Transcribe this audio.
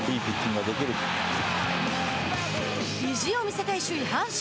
意地を見せたい首位、阪神。